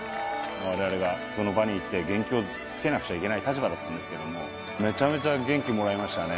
われわれがその場に行って元気をつけなくちゃいけない立場だったんですけど、めちゃめちゃ元気をもらいましたね。